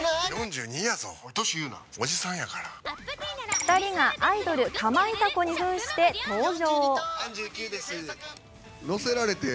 ２人がアイドルかまいた子に扮して登場。